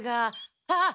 あっ！